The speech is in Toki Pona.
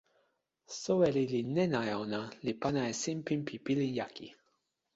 soweli li nena e ona, li pana e sinpin pi pilin jaki.